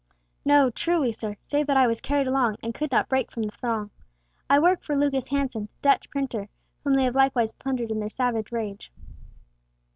"No, truly sir, save that I was carried along and could not break from the throng. I work for Lucas Hansen, the Dutch printer, whom they have likewise plundered in their savage rage."